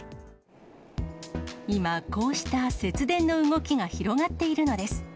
今、こうした節電の動きが広がっているのです。